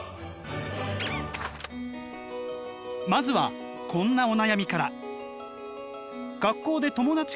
まずはこんなお悩みから。